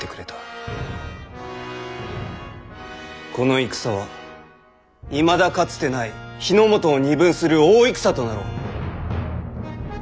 この戦はいまだかつてない日ノ本を二分する大戦となろう。